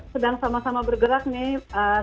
sedang sama sama bergerak nih